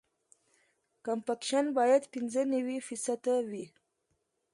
کمپکشن باید پینځه نوي فیصده وي